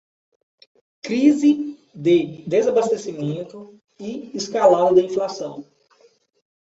Crise de desabastecimento e escalada da inflação